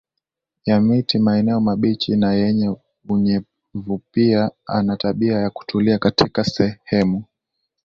ya miti maeneo mabichi na yenye unyevupia ana tabia ya kutulia katika Sehemu